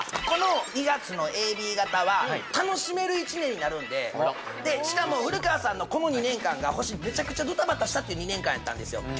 この２月のＡＢ型は楽しめる１年になるんでしかも古川さんのこの２年間が星めちゃくちゃドタバタしたっていう２年間やったんですよ